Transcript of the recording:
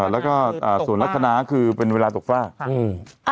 แล้วก็ส่วนลักษณะคือเป็นเวลาตกฟากอืม